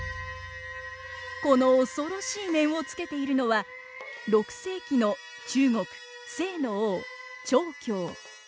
この恐ろしい面をつけているのは６世紀の中国斉の王長恭。